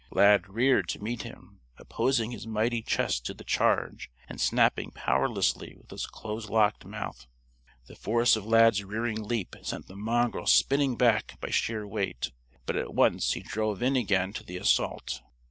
Lad reared to meet him, opposing his mighty chest to the charge and snapping powerlessly with his close locked mouth. The force of Lad's rearing leap sent the mongrel spinning back by sheer weight, but at once he drove in again to the assault.